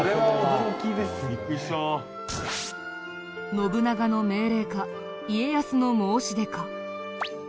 信長の命令か家康の申し出か。